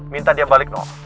minta dia balik no